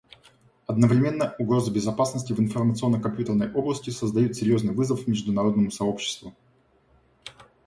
Одновременно угрозы безопасности в информационно-компьютерной области создают серьезный вызов международному сообществу.